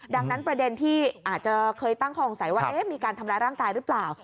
ดังนั้นประเด็นที่อาจจะเคยตั้งคองสัยว่ามีการทำร้ายร่างกายหรือเปล่า